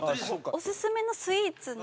オススメのスイーツの。